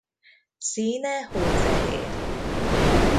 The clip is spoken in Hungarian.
Színe hófehér.